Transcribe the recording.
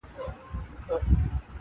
هر څه هماغسې مبهم پاتې کيږي,